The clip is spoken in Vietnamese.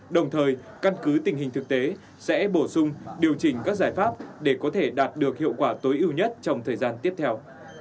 đồng thời căn cứ tình hình thực tế sẽ bổ sung điều chỉnh các giải pháp để có thể đạt được hiệu quả tối ưu nhất trong thời gian tiếp theo